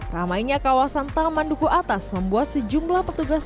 ramainya kawasan taman duku atas membuat sejumlah petugas